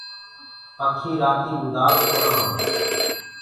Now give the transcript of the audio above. پکي رآتي اُدآس ڪونآ هوئينٚ۔